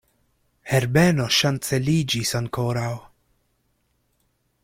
Herbeno ŝanceliĝis ankoraŭ.